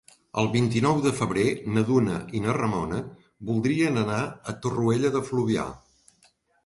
El vint-i-nou de febrer na Duna i na Ramona voldrien anar a Torroella de Fluvià.